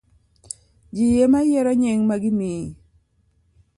Ji ema yiero nying' ma gimiyi.